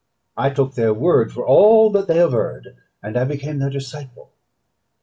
I took their word for all that they averred, and I became their disciple.